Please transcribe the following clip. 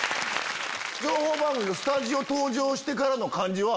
情報番組のスタジオ登場してからの感じは。